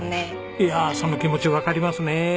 いやその気持ちわかりますね。